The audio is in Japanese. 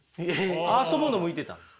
遊ぶの向いてたんです。